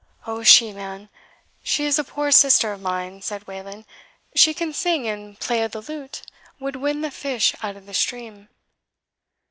"Oh, she, man! she is a poor sister of mine," said Wayland; "she can sing and play o' the lute would win the fish out o' the stream."